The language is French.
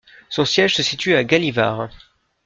Son siège se situe à Gällivare.